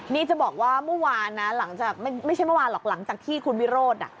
นี่จะบอกว่าเมื่อวานนะหลังจากไม่ใช่เมื่อวานหรอกหลังจากที่คุณวิโรธ